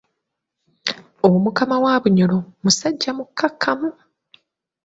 Omukama wa Bunyoro musajja mukkakkamu.